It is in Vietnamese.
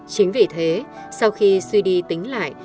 chính vì thế sau khi suy đi tính lại